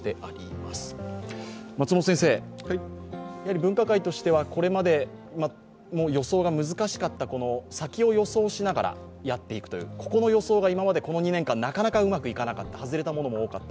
分科会としてはこれまで予想が難しかった先を予想しながらやっていくとここの予想がこの２年間なかなかうまくいかなかった、外れたものも多かった。